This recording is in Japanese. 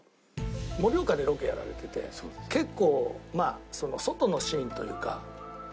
盛岡でロケやられてて結構外のシーンというかあるんですよね。